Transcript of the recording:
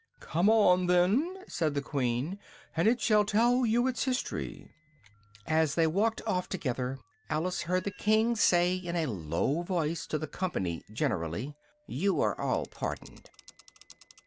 "Come on then," said the Queen, "and it shall tell you its history." As they walked off together, Alice heard the King say in a low voice, to the company generally, "you are all pardoned."